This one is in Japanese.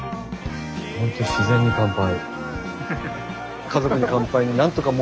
ほんと「自然に乾杯」。